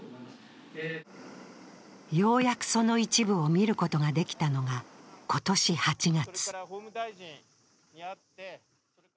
ようやくその一部を見ることができたのが今年８月。